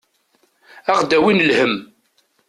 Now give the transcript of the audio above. Ad aɣ-d-awin lhemm.